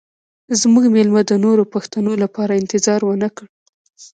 زموږ میلمه د نورو پوښتنو لپاره انتظار ونه کړ